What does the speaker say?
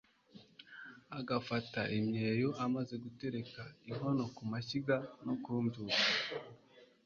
agafata imyeyo amaze gutereka inkono ku mashyiga no kumbyutsa